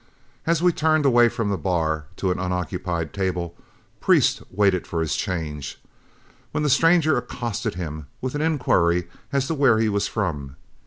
As we turned away from the bar to an unoccupied table, Priest waited for his change, when the stranger accosted him with an inquiry as to where he was from.